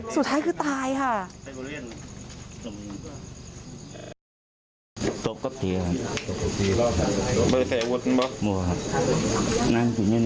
สุดท้ายคือตายค่ะ